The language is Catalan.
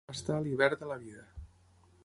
Estar a l'hivern de la vida.